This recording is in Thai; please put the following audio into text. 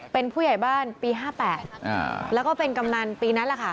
เป็นผู้ใหญ่บ้านปี๕๘แล้วก็เป็นกำนันปีนั้นแหละค่ะ